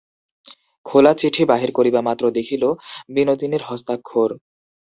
খোলা চিঠি বাহির করিবামাত্র দেখিল, বিনোদিনীর হস্তাক্ষর।